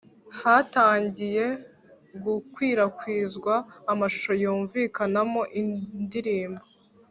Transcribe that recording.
hatangiye gukwirakwizwa amashusho yumvikanamo indirimbo